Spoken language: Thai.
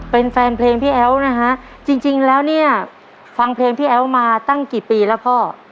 เป็นแฟนเพลงพี่แอ๋วนะฮะจริงแล้วเนี่ยฟังเพลงพี่แอ๋วมาตั้งกี่ปีแล้วพ่อ